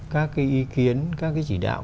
các cái ý kiến các cái chỉ đạo